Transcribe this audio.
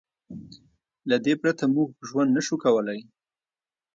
له دې پرته موږ ژوند نه شو کولی.